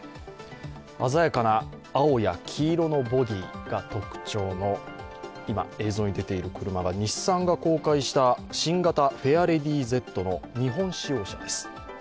鮮やかな青や黄色のボディーが特徴の、今映像に出ている車が日産が公開した新型フェアレディＺの日本仕様車です。